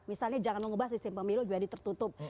misalnya jangan mengubah sistem pemilu jadi tertutup